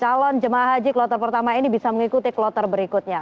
jadi calon jemaah haji kloter pertama ini bisa mengikuti kloter berikutnya